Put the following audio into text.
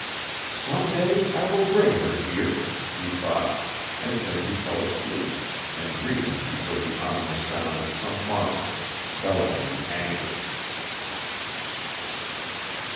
"Some day I will bring her here," he thought, and then he fell asleep and dreamed he heard the ominous sound of some monster bellowing in anger.